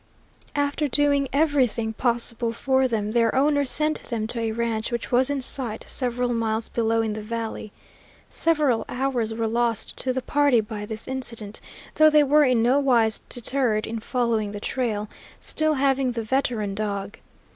After doing everything possible for them, their owner sent them to a ranch which was in sight several miles below in the valley. Several hours were lost to the party by this incident, though they were in no wise deterred in following the trail, still having the veteran dog.